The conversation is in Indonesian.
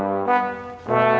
nih bolok ke dalam